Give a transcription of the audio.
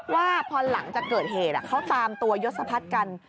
ว่าพอหลังจากเกิดเหตุเขาตามตัวยศพัฒน์กัน